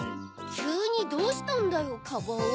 きゅうにどうしたんだよカバオ。